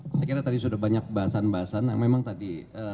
saya kira tadi sudah banyak bahasan bahasan yang memang tadi